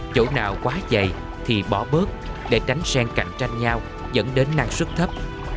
chỗ nào quá dày thì bỏ bớt để tránh sen cạnh tranh nhau dẫn đến năng suất thấp